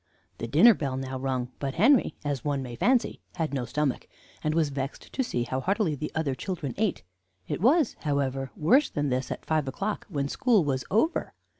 The dinner bell now rung; but Henry, as one may fancy, had no stomach, and was vexed to see how heartily the other children ate. It was, however, worse than this at five o'clock, when school was over.